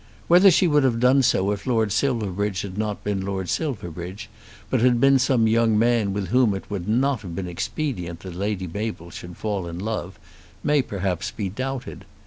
Whether she would have done so if Lord Silverbridge had not been Lord Silverbridge, but had been some young man with whom it would not have been expedient that Lady Mabel should fall in love, may perhaps be doubted.